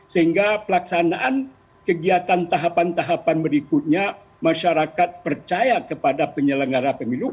sehingga pelaksanaan kegiatan tahapan tahapan berikutnya masyarakat percaya kepada penyelenggara pemilu